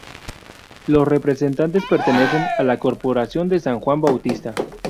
Los representantes pertenecen a la Corporación de San Juan Bautista.